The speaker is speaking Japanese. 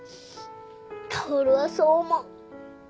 薫はそう思う。